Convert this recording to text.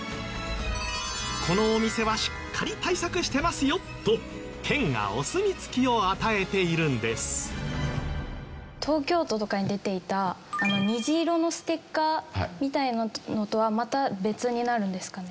このお店はしっかり対策してますよと東京都とかに出ていたあの虹色のステッカーみたいなのとはまた別になるんですかね？